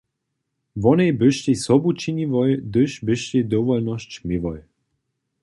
Wonej byštej sobu činiłoj, hdy byštej dowolnosć měłoj.